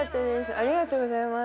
ありがとうございます